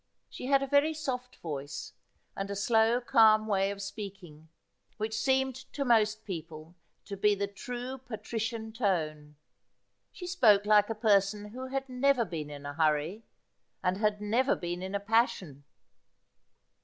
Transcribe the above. She had a very soft voice, and a slow calm way of speaking, which seemed to most people to be the true patrician tone. She spoke like a person who had never been in a hurry, and had never been in a passion.